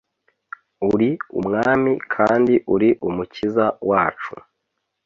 Uri umwami kandi uri umukiza wacu